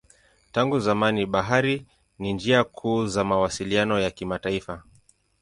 Tangu zamani bahari ni njia kuu za mawasiliano ya kimataifa.